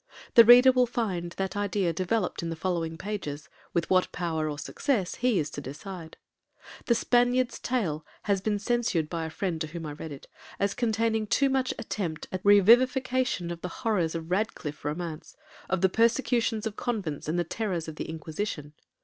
The Reader will find that idea developed in the following pages, with what power or success he is to decide. The 'Spaniard's Tale' has been censured by a friend to whom I read it, as containing too much attempt at the revivification of the horrors of Radcliffe Romance, of the persecutions of convents, and the terrors of the Inquisition.